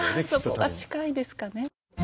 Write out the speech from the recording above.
あそこが近いですかね。